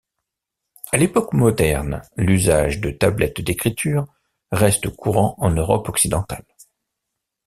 À l'époque moderne, l'usage de tablettes d'écriture reste courant en Europe occidentale.